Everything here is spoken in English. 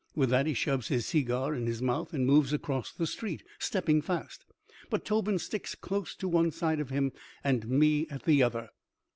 With that he shoves his segar in his mouth and moves across the street, stepping fast. But Tobin sticks close to one side of him and me at the other.